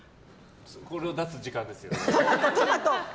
これを出す時間ですよ。